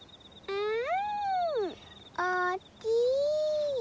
うん！